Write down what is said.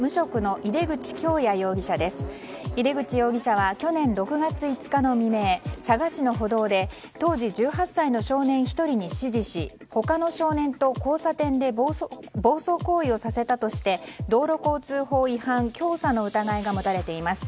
井手口容疑者は去年６月５日の未明佐賀市の歩道で当時１８歳の少年１人に指示し他の少年と交差点で暴走行為をさせたとして道路交通法違反教唆の疑いが持たれています。